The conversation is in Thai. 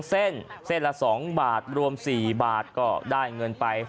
เส้นเส้นละ๒บาทรวม๔บาทก็ได้เงินไป